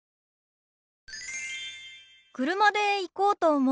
車で行こうと思う。